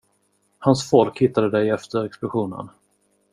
Hans folk hittade dig efter explosionen.